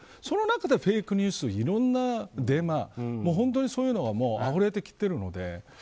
その中でフェイクニュースいろんなデマなど本当にそういうのがあふれてきてるので。